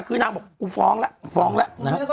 คือนางบอกฟ้องล่ะ